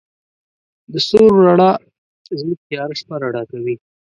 د ستورو رڼا زموږ تیاره شپه رڼا کوي.